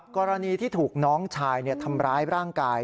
กรณีที่ถูกน้องชายทำร้ายร่างกาย